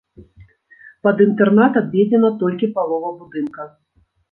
Пад інтэрнат адведзена толькі палова будынка.